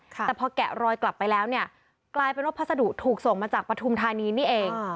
แต่พอแกะรอยกลับไปแล้วเนี่ยกลายเป็นว่าพัสดุถูกส่งมาจากปฐุมธานีนี่เอง